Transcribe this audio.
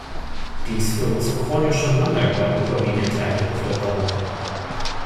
Dies führe zu chronischem Mangel beim überwiegenden Teil der Bevölkerung.